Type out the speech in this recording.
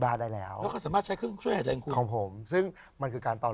หลายคน